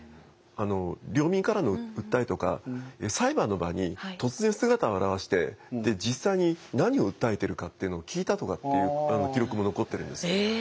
領民からの訴えとか裁判の場に突然姿を現して実際に何を訴えてるかっていうのを聞いたとかっていう記録も残ってるんです。